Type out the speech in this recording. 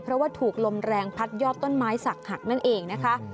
เพราะว่าถูกลมแรงพัดยอดต้นไม้สักหักนั่นเองนะคะ